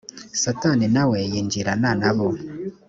satani na we yinjirana na bo